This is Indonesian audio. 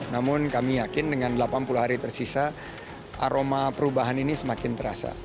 namun kami yakin dengan delapan puluh hari tersisa aroma perubahan ini semakin terasa